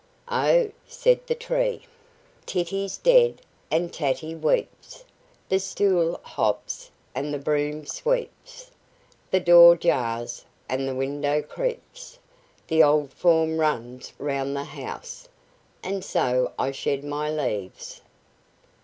"Oh!" said the tree, "Titty's dead, and Tatty weeps, the stool hops, and the broom sweeps, the door jars, and the window creaks, the old form runs round the house, and so I shed my leaves."